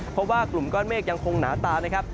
เพราะว่ากลุ่มก้อนเมฆยังคงหนาตานะครับ